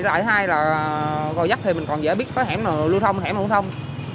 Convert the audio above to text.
lại hai là gòi dắt thì mình còn dễ biết có hẻm nào lưu thông hẻm nào không thông